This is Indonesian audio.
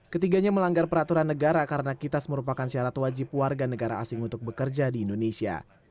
ketiganya melanggar peraturan negara karena kitas merupakan syarat wajib warga negara asing untuk bekerja di indonesia